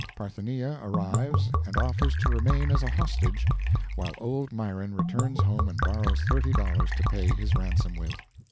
Parthenia arrives and offers to remain as a hostage while old Myron returns home and borrows thirty dollars to pay his ransom with.